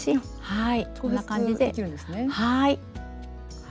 はい。